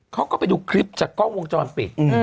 เขาก็ไปดูคลิปจากกล้องวงจรปิด